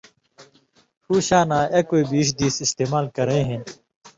ݜُو شاناں ایکوئ بیش دیس استمال کرَیں ہِن